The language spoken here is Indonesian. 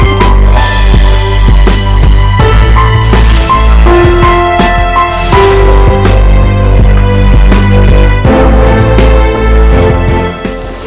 aku sangat mencintaimu